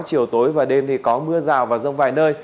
chiều tối và đêm thì có mưa rào và rông vài nơi